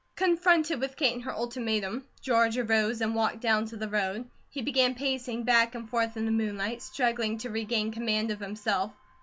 Confronted with Kate and her ultimatum, George arose and walked down to the road; he began pacing back and forth in the moonlight, struggling to regain command of himself.